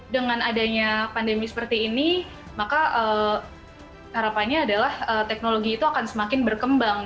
dengan adanya pandemi seperti ini maka harapannya adalah teknologi itu akan semakin berkembang